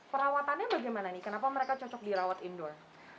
perawatannya bagaimana nih kenapa mereka cocok dirawat indoor